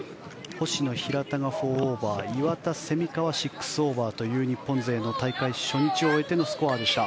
星野、平田が４オーバー岩田、蝉川は６オーバーという日本勢の大会初日を終えてのスコアでした。